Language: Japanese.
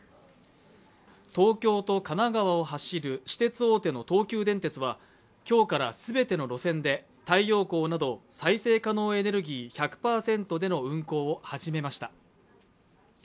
東京と神奈川を走る私鉄大手の東急電鉄は今日から全ての路線で太陽光など再生可能エネルギー１００％での運行を始めました。